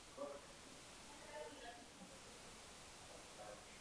Je i pěstován a často zplaňuje.